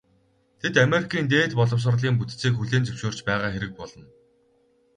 Тэд Америкийн дээд боловсролын бүтцийг хүлээн зөвшөөрч байгаа хэрэг болно.